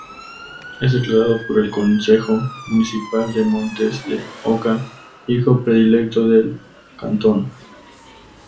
Es declarado por el Concejo Municipal de Montes de Oca, Hijo Predilecto del Cantón.-